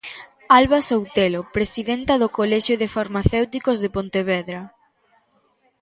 Alba Soutelo, Presidenta do Colexio de Farmacéuticos de Pontevedra.